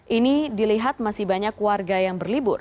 ini dilihat masih banyak warga yang berlibur